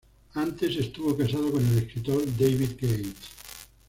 Antes estuvo casada con el escritor David Gates.